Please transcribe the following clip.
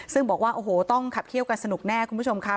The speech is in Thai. ซึ่งบอกว่าโอ้โหต้องขับเคี่ยวกันสนุกแน่คุณผู้ชมค่ะ